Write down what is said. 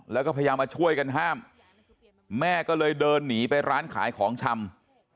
แล้วก็พยายามมาช่วยกันห้ามแม่ก็เลยเดินหนีไปร้านขายของชำ